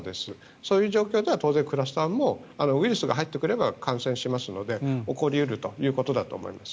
そういう状況では当然クラスターもウイルスが入ってくれば感染しますので起こり得るということだと思います。